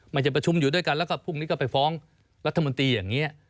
จะประชุมอยู่ด้วยกันแล้วก็พรุ่งนี้ก็ไปฟ้องรัฐมนตรีอย่างนี้